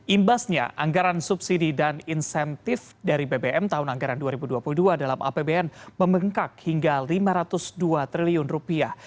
imbasnya anggaran subsidi dan insentif dari bbm tahun anggaran dua ribu dua puluh dua dalam apbn membengkak hingga lima ratus dua triliun rupiah